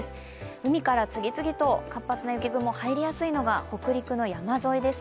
海から次々と活発な雪雲が入りやすいのは北陸の山沿いです。